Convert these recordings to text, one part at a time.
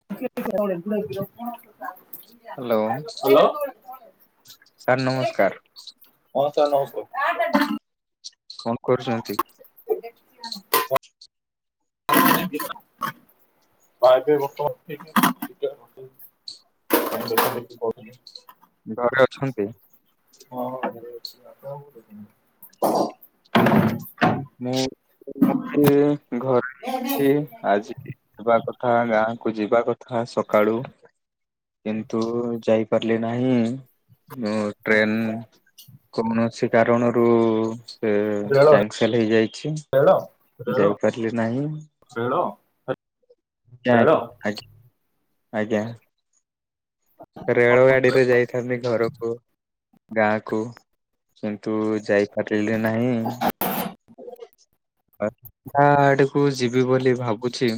[unintelligible] Hello sir ନମସ୍କାର। ହଁ sir ନମସ୍କାର। କଣ କରୁଛନ୍ତି? [inaudible] [unintelligible] ଘରେ ଅଛନ୍ତି। [inaudible] ମୁଁ ମତେ ଘରେ ଅଛି ଆଜିବି। ଯିବା କଥା ଗାଁକୁ ଯିବା କଥା ସକାଳୁ କିନ୍ତୁ ଉ ଉ ଯାଇ ପାରିଲି ନାହିଁ ଉଁ ଟ୍ରେନ୍ କୋଣ ସି କାରଣରୁ ସେ ରେଳ କ୍ୟାନ ସେଲ ହେଇଯାଇଛି ରେଳ ଯାଇପାରିଲି ନାହିଁ। ହାଲୋ ନାଇ ଆଜ୍ଞା ଆଜ୍ଞା। ରେଳ ଗାଡିରେ ଯାଇଥାନ୍ତି, ଘରକୁ ଗାଁକୁ କିନ୍ତୁ ଯାଇପାରିଲି ନାହିଁ। [unintelligible] ଆଡକୁ ଯିବି ବୋଲି ଭାବୁଛି।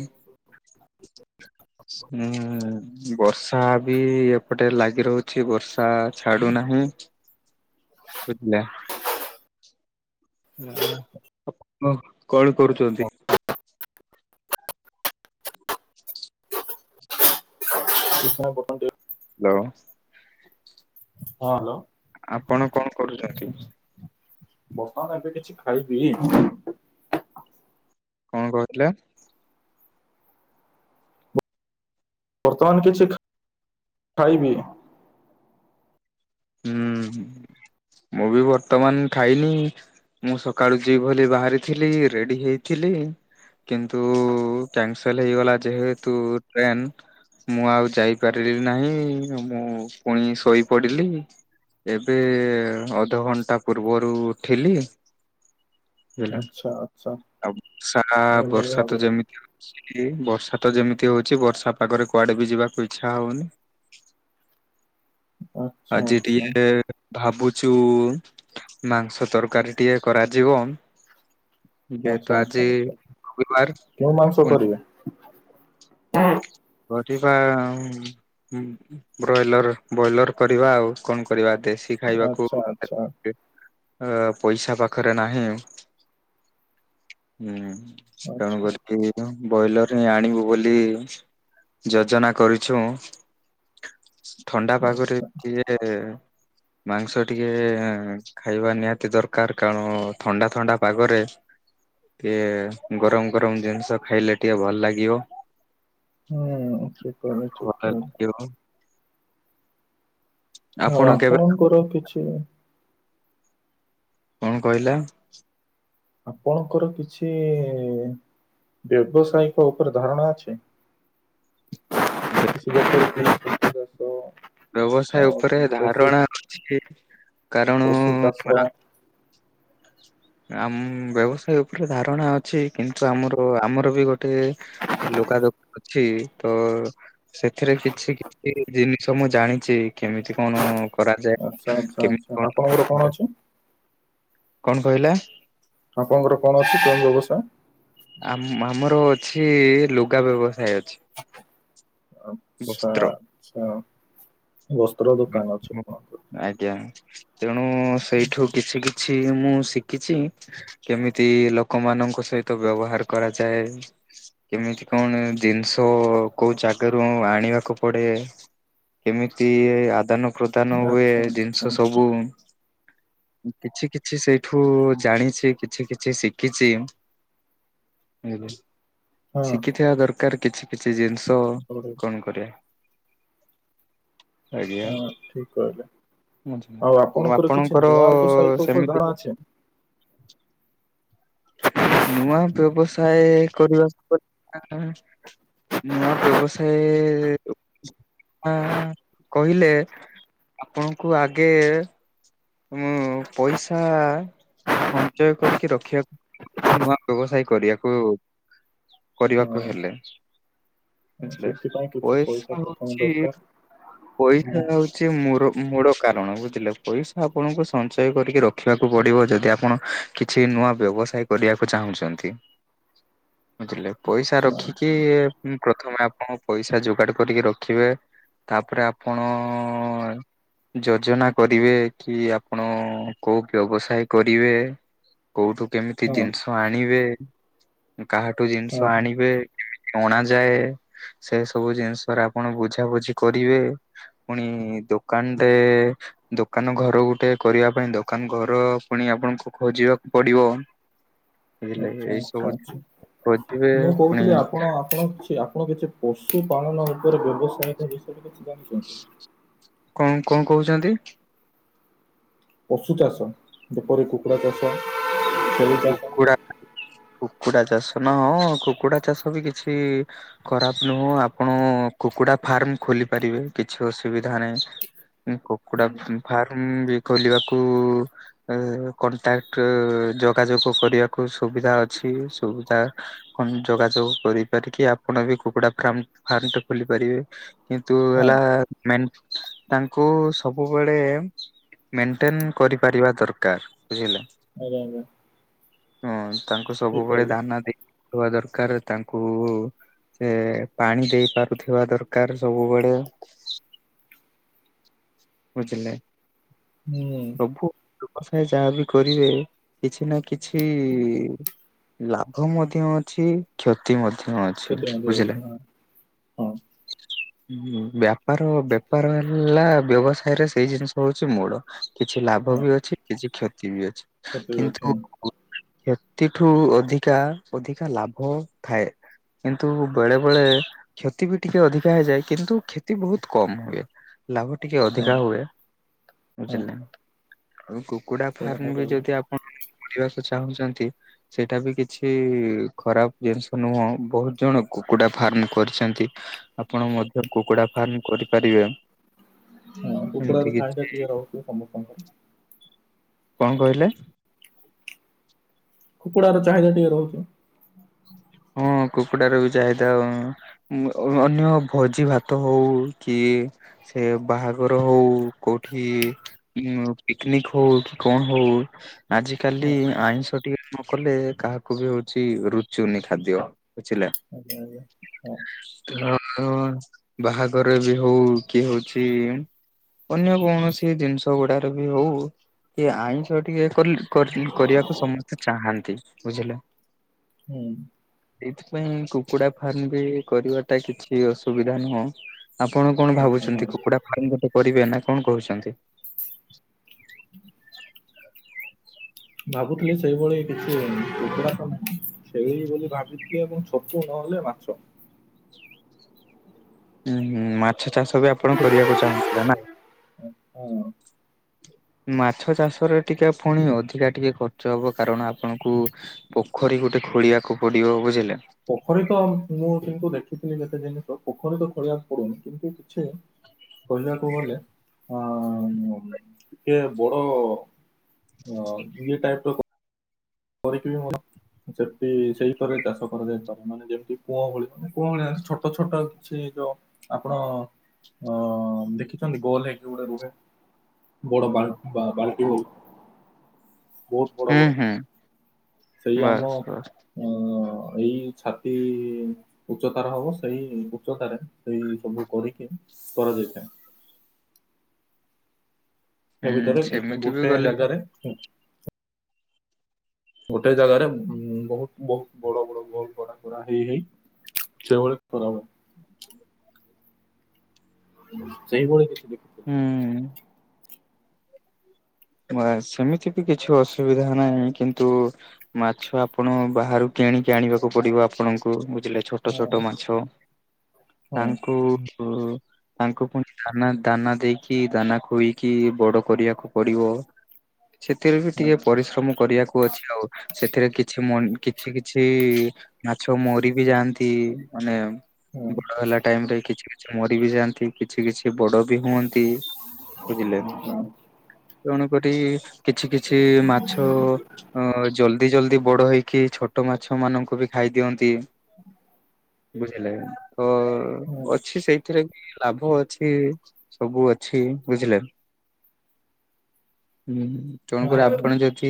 ହୁଁ। ବର୍ଷା ବି ଏପଟେ ଲାଗି ରହୁଛି ବର୍ଷା ଛାଡୁନାହିଁ। [unintelligible] ଆପଣ କଣ କରୁଛନ୍ତି? [unintelligible] ହ୍ୟାଲୋ। ହଁ ହ୍ୟାଲୋ। ଆପଣ କଣ କରୁଛନ୍ତି? ବର୍ତ୍ତମାନ ଏବେ କିଛି ଖାଇବି। କଣ କହୁଥିଲେ? ବର୍ତ୍ତମାନ କିଛି ଖ୍ ଖାଇବି। ହୁଁ ମୁଁ ବି ବର୍ତ୍ତମାନ ଖାଇନି। ମୁଁ ସକାଳୁ ଯିବି ବୋଲି ବାହାରିଥିଲି ରେଡି ହେଇଥିଲି। କିନ୍ତୁ କ୍ୟାନସେଲ ହେଇଗଲା ଯେହେତୁ ଟ୍ରେନ୍ ମୁଁ ଆଉ ଯାଇପାରିଲି ନାହିଁ ମୁଁ ପୁଣି ଶୋଇପଡ଼ିଲି। ଏବେ ଏ ଅଧଘଣ୍ଟା ପୂର୍ବରୁ ଉଠିଲି। ହୁଁ ଆଚ୍ଛା ଆଚ୍ଛା ଆଉ ବର୍ଷାଆ ଏଇଭଳି ବର୍ଷା ତ ଭାବରେ ଯେମିତି ସ୍ଲି ବର୍ଷାତ ଯେମିତି ହଉଛି ବର୍ଷା ପାଗରେ କୁଆଡେ ବି ଯିବାକୁ ଇଚ୍ଛା ହଉନି। ଆଚ୍ଛା ଆଜି ଆଚ୍ଛା ଟିକେ ଭାବୁଛୁ ମାଂସ ତରକାରୀ ଟିକେ କରାଯିବ। ଆଚ୍ଛା ଯେତୁ ଆଜି ଆଚ୍ଛା ଆଚ୍ଛା ରବିବାର। [inaudible] [inaudible] ବ୍ରଏଲର, ବଏଲର କରିବା ଆଉ। କ'ଣ କରିବା? ଦେଶୀ ଖାଇବାକୁ ଆଚ୍ଛା ଆଚ୍ଛା ପଇସା ପାଖରେ ନାହିଁ। ଆଚ୍ଛା। ତେଣୁ କ ବଏଲର୍ ହିଁ ଆଣିବୁ ବୋଲି। ଯୋଜନା କରୁଛୁଁ, ଥଣ୍ଡା ପାଗରେ ଆଚ୍ଛା କିଏ ମାଂସ ଟିକେ ଖାଇବା ନିହାତି ଦରକାର୍, କାଣ ଥଣ୍ଡା ଥଣ୍ଡା ପାଗରେ ଗରମ୍ ଗରମ୍ ଜିନ୍‌ଷ ଖାଇଲେ, ଟିକେ ଭଲ ଲାଗିବ। ଭଲ [inaudible] ଲାଗିବ ଆଉ ଆପଣ କେବେ ଆପଣଙ୍କର କିଛି କ'ଣ କଇଲା? ଆପଣଙ୍କର, କିଛି -ବ୍ୟବସାୟିକ ଉପରେ ଧାରଣା ଅଛି। [inaudible] ଅ ବ୍ୟବସାୟ ଉପରେ ପଶୁ ଧାରଣା ଅଛି। କାରଣ ପଶୁ ଚାଷ ବ୍ୟବସାୟ ଉପରେ ଧାରଣା ଅଛି, କିନ୍ତୁ ଆମର ଆମର ବି ଗୋଟେ [inaudible] ସେଥିରେ କିଛି -ଛି ଜିନିଷ ମୁଁ ଜାଣିଚି କେମିତି କ'ଣ। ଆଚ୍ଛା ଆଚ୍ଛା ଆଚ୍ଛା [inaudible] ଆପଣଙ୍କର କଣ ଅଛି କ'ଣ କହିଲେ? ଆପଣଙ୍କର କ'ଣ ଅଛି? କେଉଁ ବେବସା ଆମର ଅଛି, ଲୁଗା ବେବସାୟେ ଅଛି। ଆଚ୍ଛା ବସ୍ତ୍ର। ଆଚ୍ଛା, ବସ୍ତ୍ର ଦୋକାନ ଅଛି ଆଜ୍ଞା, ତେଣୁ ସେଇଠୁ କିଛି କିଛି ମୁଁ ଶିଖିଚି। କେମିତି ଲୋକମାନଙ୍କ ସଇତ ବ୍ୟବହାର୍ କରାଯାଏ? କେମିତି କ'ଣ ଦିନ୍‌ଷ, କଉ ଜାଗାରୁ ଆଣିବାକୁ ପଡେ? କେମିତି ଆଦାନ ପ୍ରଦାନ ହୁଏ, ଆଚ୍ଛା ଆଚ୍ଛା ଦିନ୍‌ଷ ଆଚ୍ଛା ସବୁ? କିଛି କିଛି ସେଇଠୁ ଜାଣିଚି, କିଛି କିଛି ଶିକିଚି। ହଁ ଶିଖିଥିବା ଦରକାର୍ କିଛି କିଛି ଜିନ୍‌ଷ। ହଉ କ'ଣ କରିଆ? ହଁ ଠିକ କହିଲେ ଆଉ କିଛି ଆପଣଙ୍କର ନୂଆ ବ୍ୟବସାୟିକ ଉପରେ ସେମିତି ଧାରଣା କିଛି ଅଛି ନୂଆ ବ୍ୟବସାଏ, କରିବା ନୂଆ ବ୍ୟବସାଏ କହିଲେ ଆପଣଙ୍କୁ ଆଗେ ପଇସା ସଞ୍ଚୟ କରିକି, ରଖିବାକୁ କିଛି ନୂଆ ବ୍ୟବସାଏ କରିବାକୁ, କରିବାକୁ ହଁ। ହେଲେ [inaudible] ସେଥିପାଇଁ କିଛି ପଇସା ପ୍ରଥମେ ଦରକାର ହଁ ମୁର ମୂଳ କାରଣ ବୁଝିଲେ? ପଇ ଆପଣଙ୍କୁ ସଞ୍ଚୟ କରିକି ରଖିବାକୁ ପଡିବ, ଯଦି ଆପଣ କିଛି ନୂଆ ବ୍ୟବସାୟ କରିବାକୁ ଚାହୁଁଚନ୍ତି। ପଇସା ଆଚ୍ଛା ରଖିକି ଆଚ୍ଛା ହୁଁ, ପ୍ରଥମେ ଆପଣ ପଇସା ଯୋଗାଡ଼ କରିକି ରଖିବେ। ତା'ପରେ ଆପଣ ଯୋଜନା କରିବେ। କି ଆପଣ କଉ ବ୍ୟବସାଏ କରିବେ, କଉଠୁ କେମିତି ହଁ ଜିନ୍‌ ଆଣିବେ, କାହାଠୁ ଜିନ୍‌ଷ ହଁ ହଁ ଆଣିବେ? ଅଣା ଯାଏ। ସେ ସବୁ ଜିନ୍‌ଷରେ, ଆପଣ ବୁଝାବୁଝି କରିବେ। ପୁଣି ଦୋକାନ୍‌ ଦୋକାନ ଘର ଗୋଟେ କରିବା ପାଇଁ, ଦୋକାନ୍‌ ଘର ପୁଣି ଆପଣଙ୍କୁ ଖୋଜିବାକୁ ପଡ଼ିିବ। ଖୋଜିବେ ମୁଁ, ପୁଣି କହୁଥିଲି ଆପଣ [inaudible] କଣ କଣ କହୁଛନ୍ତି। ପଶୁ ଚାଷ ଯେପରି କୁକୁଡା ଚାଷ। ଚାଷ କୁକୁଡ଼ା କୁକୁଡା ଚାଷ ନା ହଁ କୁକୁଡା ଚାଷ ବି କିଛି ଖରାପ ନୁହଁ ଆପଣ କୁକୁଡା ଫାର୍ମ ଖୋଲି ପାରିବେ କିଛି ଅସୁବିଧା ନାହିଁ। ଉ କୁକୁଡ଼ା ହୁଁ, ଫାର୍ମ ବି ଖୋଲିବାକୁ ଏ କଣ୍ଟାକ୍ଟ ଯୋଗାଯୋଗ କରିବାକୁ ସୁବିଧା ଅ ଛି ସୁବିଧା କଣ ଯୋଗାଯୋଗ କରିପାରିକି ଆପଣ ବି କୁକୁଡା ଫ୍ରା ମ ଫାର୍ମ ଖୋଲି ପାରିବେ କିନ୍ତୁ ହଁ ହେଲା ମେନେ ତାଙ୍କୁ ସବୁବେଳେ ମେଣ୍ଟେନ କରିପାରିବା ଦରକାର ବୁଝିଲେ। ଆ ଆଜ [unintelligible] ହଁ ତାଙ୍କୁ ସବୁବେଳେ କହିଲେ ଦାନା ଦେଇବା ଦରକାର ତାଙ୍କୁ ଏ ପାଣି ଦେଇ ପାରୁଥିବା ଦରକାର ସବୁବେଳେ ବୁଝିଲେ ହୁଁ ସବୁ ବ୍ୟବସାୟ ଯାହା ବି କରିବେ କିଛି ନା କିଛି ଲାଭ ମଧ୍ୟ ଅଛି କ୍ଷତି ମଧ୍ୟ ଅଛି କେତେ ମଧ୍ୟ ଅଛି ବୁଝିଲେ ହଁ ହଁ ହଁ ବ୍ୟାପାର ବେପାର ହେଲା ବ୍ୟବସାୟ ରେ ସେଇ ଜିନିଷ ହଉଛି ମୋଡ କିଛି ଲାଭ ହଁ ବି ଅଛି କିଛି କ୍ଷତି ବି ଅଛି କେତେ ବି ଅଛି କିନ୍ତୁ ହଁ ସେତିଠୁ ଅଧିକା ଅଧିକା ଲାଭ ଥାଏ କିନ୍ତୁ ବେଳେ ବେଳେ କ୍ଷତି ବି ଟିକେ ଅଧିକା ହେଇଯାଏ କିନ୍ତୁ କ୍ଷତି ବହୁତ କମ ହୁଏ ଲାଭ ଟିକେ ଅଧ ହିଁ ହଁ କା ହୁଏ ହଁ ବୁଝିଲେ ଆଉ କୁକୁଡ଼ା ସେଇ କଥା ଫାର୍ମ ବି କହିଲେ ଯଦି ଣ କରିବାକୁ ଚାହୁଁଛନ୍ତି ସେଇଟା ବି କିଛି ଖରାପ ଜିନିଷ ନୁହଁ ବହୁତ ଜଣ କୁକୁଡ଼ା ଫାର୍ମ କରିଛନ୍ତି। ଆପଣ ମଧ୍ୟ କୁକୁଡା ଫାର୍ମ କରିପାରିବେ ଏମିତି କୁକୁଡାର କିଛି ଛାଇଁଟା ଟିକେ ରହୁଛି ସମସ୍ତଙ୍କର କଣ କହିଲେ? କୁକୁଡ଼ାର ଚାହିଦା ଟିକେ ରହୁଛି। ହଁ କୁକୁଡାର ବି ଚାହିଦା ଉ ମୁଁ ଅନ୍ୟ ଭୋଜି ଭାତ ହଉ କି ସେ ବାହାଘର ହଉ କୋଉଠି ଉଁ ପିକନିକ ହଉ କି କଣ ହଉ ଆଜି କାଲି ହଁ ଆଇଁଷ ଟିକେ ନ କଲେ କାହାକୁ ବି ହଉଛି ରୁଚୁନି ଖାଦ୍ୟ ବୁଝିଲେ [unintelligible] ତ ବାହାଘର ବି ହଉ କିଏ ହଉଛି ଅନ୍ୟ କୌଣସି ଜିନିଷ ଗୁଡାରେ ବି ହଉ କି ଆଇଁଷ ଟିକେ ଏ କଲେ କରିଲେ କରିବାକୁ ସମସ୍ତେ ଚାହାନ୍ତି ବୁଝିଲେ ହୁଁ ଏଇଥିପାଇଁ କୁକୁଡ଼ା ଫାର୍ମ ବି କରିବା ଟା କିଛି ଅସୁବିଧା ନୁହଁ ଆପଣ କଣ ଆଚ୍ଛା ହଁ ଭାବୁଛନ୍ତି କୁକୁଡ଼ା ଫାର୍ମ ଗୋଟେ କରିବେ ନା କଣ କହୁଛନ୍ତି? ଭାବୁଥିଲି ସେଇଭଳି କିଛି କୁକୁଡ଼ା ତ [unintelligible] ସେଇଭଲି ବୋଲି ଭାବିଥିଲି ଏବଂ। ଛତୁ ନହେଲେ ମାଛ। ଉୁଁ ହୁଁ, ମାଛ ଚାଷ ବି ଆପଣ କରିବାକୁ ଚାହୁଁଥିଲେ ନା? ହଁ ମାଛ ଚାଷରେ ଟିକେ ପୁଣି ଅଧିକା ଟିକେ ଖର୍ଚ୍ଚ ହବ। କାରଣ ଆପଣଙ୍କୁ ପୋଖରୀ ଗୋଟେ ଖୋଳିବାକୁ ପଡିବ ବୁଝିଲେ। ପୋଖରୀ ତ ମୁଁ କିନ୍ତୁ ଦେଖିଥିଲି କେତେ ଜିନିଷ ପୋଖରୀ ତ ଖଳିବାକୁ ପଡୁନି। କିନ୍ତୁ କିଛି କହିବାକୁ ଗଲେ ଅ ଟିକେ ବଡ ଅଧିକ ଟାଇପର କରିକି ବି ମୋର ସେଠି ସେଇଥରେ ଚାଷ କରାଯାଇପାରେ, ମାନେ ଯେମିତି କୂଅ ଭଳି ମାନେ କୁଅ ଭଳିଆ ଛୋଟ ଛୋଟ କିଛି ଯୋଉ ଆପଣ ଅ-ଦେଖିଛନ୍ତି ଗୋଲ ହେଇକି ଗୋଟେ ରୁହେ? ବଡ଼ ବାଲ୍ଟି ଆ-ବାଲ୍ଟି ଭଳି ବହୁତ ବଡ ହୁଁ ବଡ ହୁଁ ଥାଏ। ସେଇ ଆମ ବାସ୍ ବାସ୍। ଅ-ଏଇ ଛାତି ଉଚ୍ଚତାର ହବ ସେଇ ଉଚ୍ଚତାରେ ସେଇ ସବୁ କରିକି କରାଯାଇଥାଏ। ସେ ହୁଁ ଭିତରେ ଏକ ସେମିତି ବି ଗୋଟେ ଗଲେ ଜାଗାରେ ହୁ ଗୋଟେ ଜାଗାରେ ଉଁ-ବହୁତ ବହୁତ ବଡ ବଡ ବ କରା ହେଇ ହେଇ ସେଇଭଳି କରାହୁଏ। ହଁ ସେଇ ଭଳି କିଛି ହୁଁ। ନା ସେମିତି ବି କିଛି ଅସୁବିଧା ନାହିଁ, କିନ୍ତୁ ମାଛ ଆପଣ ବାହାରୁ କିଣିକି ଆଣିବାକୁ ପଡିବ ଆପଣଙ୍କୁ, ବୁଝିଲେ? ଛୋଟ ହଁ ଛୋଟ ମାଛ, ହଁ ତାଙ୍କୁ ତାଙ୍କୁ ପୁଣି ଦାନା ଦାନା ଦେଇକି ଦାନା ଖୋଇକି ବଡ କରିବାକୁ ପଡିବ। ସେଥିରେ ବି ହଁ ଟିକେ ପରିଶ୍ରମ କରିବାକୁ ଅଛି ଆଉ, ସେଥିରେ କିଛି ମ-କିଛି କିଛି ମାଛ ମରି ବି ଯାଆନ୍ତି। ଇ ମାନେ ହଁ ବଡ ହେଲା ଟାଇମରେ କିଛି କିଛି ମରି ବି ଯାଆନ୍ତି। କିଛି କିଛି ବଡ ବି ହୁଅନ୍ତି, ବୁଝିଲେ? ହଁ ତେଣୁକରି କିଛି କିଛି ମାଛ ଅ-ଜଲ ଦି ଜଲଦି ବଡ ହେଇକି ଛୋଟ ମାଛ ମାନଙ୍କୁ ବି ଖାଇଦିଅନ୍ତି। ବୁଝିଲେ, ତ ହଁ ଅଛି ସେଇ ଏଥିରେ ବି ଲାଭ ଅଛି, ସବୁ ଅଛି, ବୁଝିଲେ? ହୁଁ, ତେଣୁକରି ହଁ ହଁ ଆପଣ ଯଦି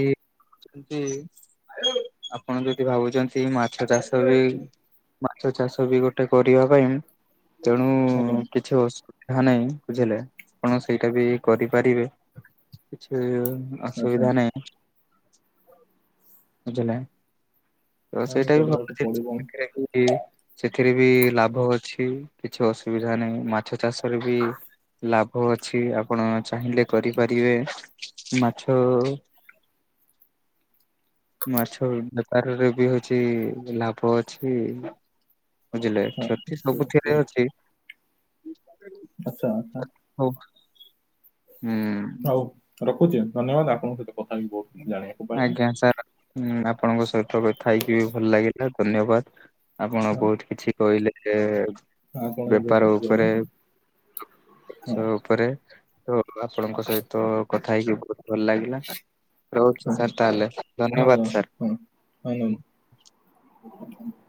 ଯଦି ଆପଣ ଯଦି ଭାବୁଛନ୍ତି ମାଛ ଚାଷରେ ମାଛ ଚାଷ ବି ଗୋଟେ କରିବା ପାଇଁ ତେଣୁ ଆଜ୍ଞା। କିଛି ଅସୁବିଧା ନାହିଁ, ବୁଝିଲେ ଆପଣ ସେଇଟା ବି କରିପାରିବେ। କିଛି ଆଚ୍ଛା ଅସୁବିଧା ନାହିଁ, ବୁଝିଲେ? ତ ତାହେଲେ ସେଇଟା ବି କରିବାକୁ ଭଲ ଜିନଷ ପଡିବ ପାଖରେ ସେଥିରେ ବି ଲାଭ ଅଛି କିଛି ଅସୁବିଧା ନାହିଁ ମାଛ ଚାଷରେ ବି ଲାଭ ଅଛି ଆପଣ ଚାହିଁଲେ କରିପାରିବେ ମାଛ ମାଛ ବେପାରରେ ବି ହଉଛି ଲାଭ ଅଛି। ବୁଝିଲେ ହଁ କ୍ଷତି ଠିକ୍ ସବୁଥିରେ ଅଛି। ଆଚ୍ଛା ଆଚ୍ଛା। ହଉ। ହୁଁ। ହଉ ରଖୁଛି, ଧନ୍ୟବାଦ, ଆପଣଙ୍କ ସହିତ କଥା ହେଇକି ବହୁତ କିଛି ଜାଣିବାକୁ ପାଇଲି। ଆଜ୍ଞା ସାର୍ ଆପଣଙ୍କ ସହିତ କଥା ହେଇକି ବି ଭଲ ଲାଗିଲା ଧନ୍ୟବାଦ। ଆପଣ ହଁ ବହୁତ କିଛି କହିଲେ ଯେ ଆଉ କଣ ଏବେ ବେପାର ପଛେ କହିଲା ଉପରେ। ହଁ। ବିଷୟ ଉପରେ ତ ଆପଣଙ୍କ ସହିତ କଥା ହେଇକି ବହୁତ ଭଲ ଲାଗିଲା। ରହୁଛି ହଁ ସାର୍ ତାହେଲେ ଧନ୍ୟବାଦ ସାର୍। ଆଜ୍ଞା।